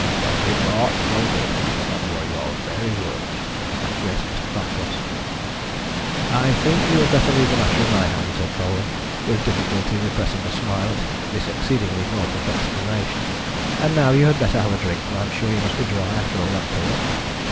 "Yow did, bor, yow did; them wor yower vaery words," acquiesced Mr. Backlos. "I think you had better leave the matter in my hands," said Colwyn, with difficulty repressing a smile at this exceedingly Norfolk explanation. "And now, you had better have a drink, for I am sure you must be dry after all that talk."